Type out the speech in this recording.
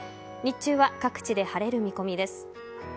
日中は各地で晴れる見込みです。